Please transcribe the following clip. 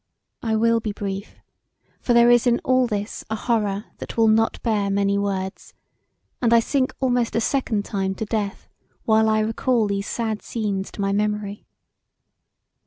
I will be brief for there is in all this a horror that will not bear many words, and I sink almost a second time to death while I recall these sad scenes to my memory.